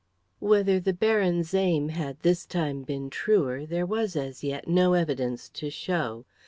Whether the Baron's aim had this time been truer there was, as yet, no evidence to show.